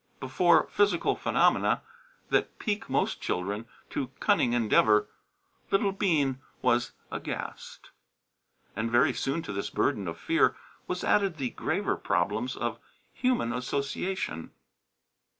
Before physical phenomena that pique most children to cunning endeavour, little Bean was aghast. And very soon to this burden of fear was added the graver problems of human association.